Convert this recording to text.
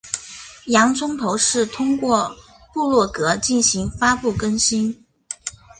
洋葱头是通过部落格进行发布更新。